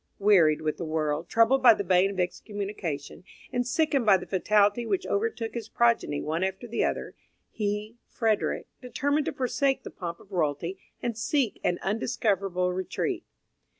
Wearied with the world, troubled by the bane of excommunication, and sickened by the fatality which overtook his progeny one after the other, he, Frederick, determined to forsake the pomp of royalty and seek an undiscoverable retreat.